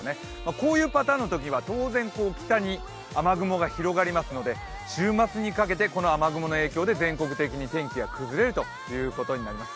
こういうパターンのときは当然北に雨雲が広がりますので週末にかけてこの雨雲の影響で全国的に天気が崩れるということになります。